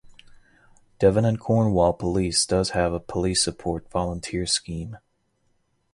Devon and Cornwall Police does have a Police Support Volunteer scheme.